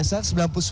jamannya beda kali ya